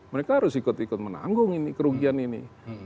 mereka harus ikut ikut menanggung ini kerugian ini